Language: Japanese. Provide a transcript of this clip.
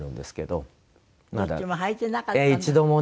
どっちも履いてなかった。